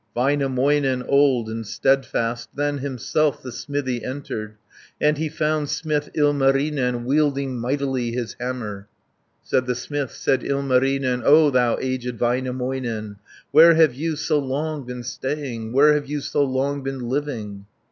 Väinämöinen, old and steadfast, Then himself the smithy entered, 60 And he found smith Ilmarinen, Wielding mightily his hammer. Said the smith, said Ilmarinen, "O thou aged Väinämöinen, Where have you so long been staying. Where have you so long been living?"